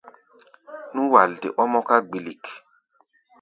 Nú-walde ɔ́ mɔ́ká gbilik.